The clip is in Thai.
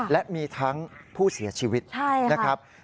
และมีทั้งผู้เสียชีวิตนะครับ